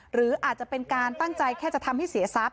หรืออาจจะเป็นการตั้งใจแค่จะทำให้เสียทรัพย